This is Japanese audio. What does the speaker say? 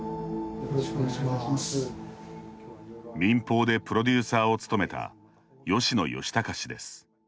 民放でプロデューサーを務めた吉野嘉高氏です。